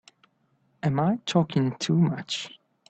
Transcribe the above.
Am I talking too much?